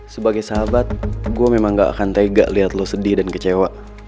sebagai sahabat gue memang gak akan tega lihat lo sedih dan kecewa